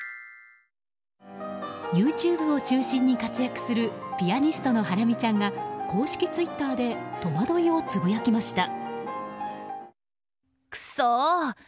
ＹｏｕＴｕｂｅを中心に活躍するピアニストのハラミちゃんが公式ツイッターで戸惑いをつぶやきました。